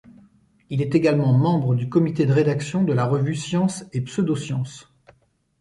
Il est également membre du comité de rédaction de la revue Science et pseudo-sciences.